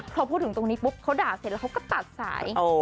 พอพูดถึงตรงนี้ปุ๊บเขาด่าเสร็จแล้วเขาก็ตัดสาย